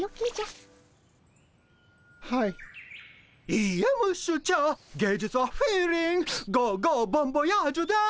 いいえムッシュチャー芸術はフィーリングゴーゴーボンボヤージュです。